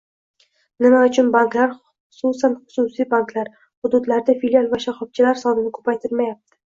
Nima uchun banklar, xususan, xususiy banklar, hududlarda filial va shoxobchalar sonini ko'paytirmayapti?